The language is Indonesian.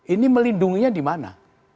ini melindunginya di mana